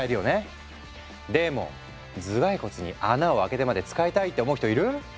でも頭蓋骨に穴を開けてまで使いたいって思う人いる？